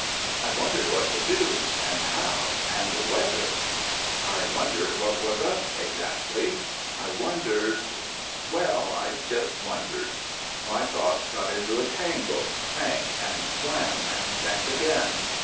I wondered what to do, and how, and whether. I wondered what was up exactly. I wondered ... well, I just wondered. My thoughts got into a tangle, sank, and swam, and sank again.